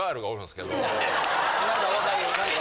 何か分かる何か。